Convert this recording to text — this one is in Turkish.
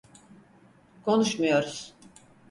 Konuşmuyoruz.